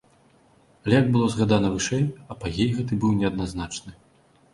Але, як было згадана вышэй, апагей гэты быў неадназначны.